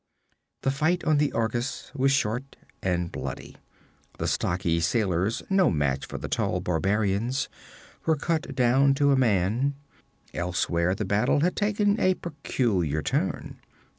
The fight on the Argus was short and bloody. The stocky sailors, no match for the tall barbarians, were cut down to a man. Elsewhere the battle had taken a peculiar turn.